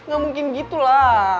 gak mungkin gitu lah